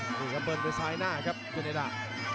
ดูครับเบิร์นด้วยซ้ายหน้าครับยูนิดา